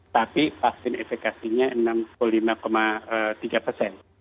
tapi vaksin efekasinya enam puluh lima tiga persen